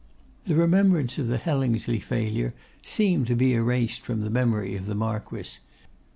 The remembrance of the Hellingsley failure seemed to be erased from the memory of the Marquess.